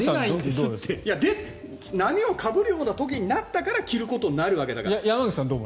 波をかぶるような時になってから着るわけだから。